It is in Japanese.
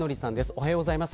おはようございます。